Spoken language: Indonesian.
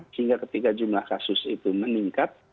sehingga ketika jumlah kasus itu meningkat